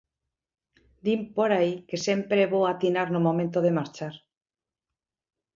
Din por aí que sempre é bo atinar no momento de marchar.